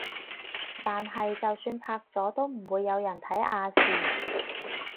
但係就算拍咗都唔會有人睇亞視